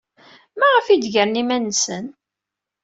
Maɣef ay d-gren iman-nsen?